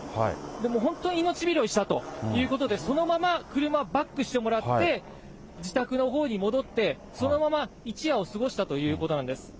もう本当、命拾いしたということで、そのまま車、バックしてもらって、自宅のほうに戻って、そのまま一夜を過ごしたということなんです。